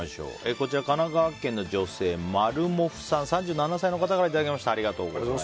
神奈川県の女性、３７歳の方からいただきました。